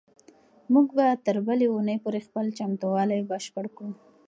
موږ به تر بلې اونۍ پورې خپل چمتووالی بشپړ کړو.